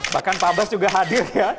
bahkan pak abbas juga hadir ya